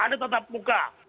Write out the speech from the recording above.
ada tetap muka